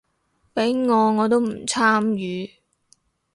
畀我我都唔參與